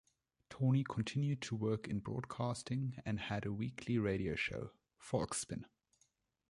Tawney continued to work in broadcasting and had a weekly radio show, Folkspin.